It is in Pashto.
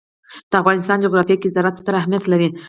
د افغانستان جغرافیه کې زراعت ستر اهمیت لري.